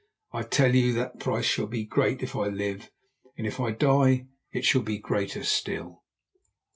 I tell you that price shall be great if I live, and if I die it shall be greater still."